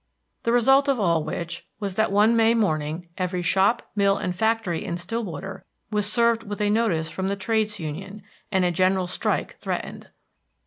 The result of all which was that one May morning every shop, mill, and factory in Stillwater was served with a notice from the trades union, and a general strike threatened.